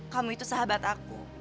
kamu itu sahabat aku